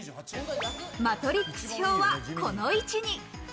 マトリックス表はこの位置に。